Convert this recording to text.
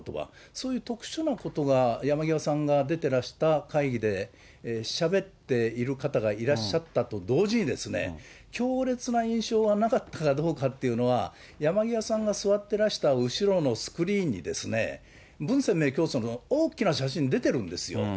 そういう特殊なことが山際さんが出てらした会議でしゃべっている方がいらっしゃったと同時にですね、強烈な印象はなかったかどうかというのは、山際さんが座ってらした後ろのスクリーンにですね、文鮮明教祖の大きな写真、出てるんですよ。